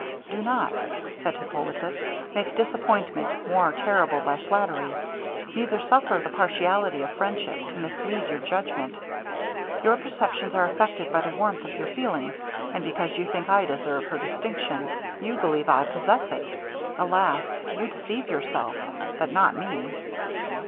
'Do not,' said Hippolitus, 'make disappointment more terrible by flattery; neither suffer the partiality of friendship to mislead your judgment. Your perceptions are affected by the warmth of your feelings, and because you think I deserve her distinction, you believe I possess it. Alas! you deceive yourself, but not me!'